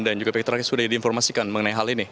dan juga pihak terakhir sudah diinformasikan mengenai hal ini